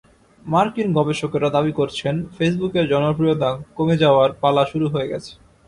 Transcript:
মার্কিন গবেষকেরা দাবি করছেন, ফেসবুকের জনপ্রিয়তা কমে যাওয়ার পালা শুরু হয়ে গেছে।